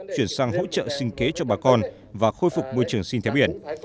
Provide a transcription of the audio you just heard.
chuyển sang hỗ trợ sinh kế cho bà con và khôi phục môi trường sinh thái biển